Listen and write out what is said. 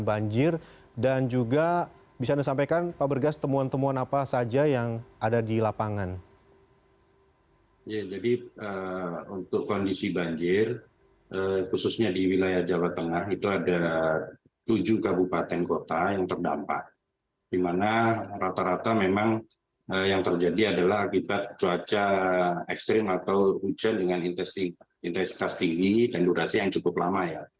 ada tujuh kabupaten kota yang terdampak di mana rata rata memang yang terjadi adalah akibat cuaca ekstrim atau hujan dengan intensitas tinggi dan durasi yang cukup lama